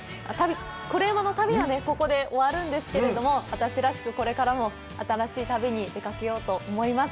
「コレうまの旅」は、ここで終わるんですけれども、私らしく、これからも新しい旅に出かけようと思います。